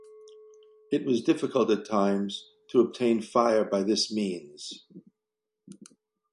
It was difficult at times to obtain fire by this means.